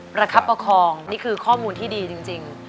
ประคับประคองนี่คือข้อมูลที่ดีจริง